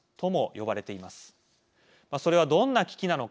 それはどんな危機なのか。